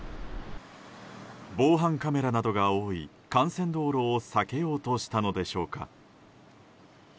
防犯カメラなどが多い幹線道路を避けようとしたのでしょうか。